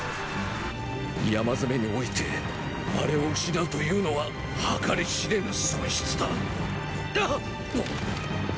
山攻めにおいてあれを失うというのは計り知れぬ損失だあっ！